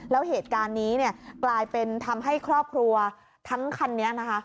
แล้วเหตุการณ์นี้เนี่ยกลายเป็นทำให้ครอบครัวทั้งคันนี้นะคะ